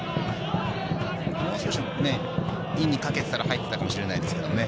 もう少しね、インにかけていたら入っていたかもしれないですね。